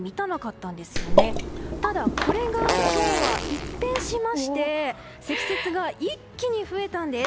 ただ、これが今日は一転しまして積雪が一気に増えたんです。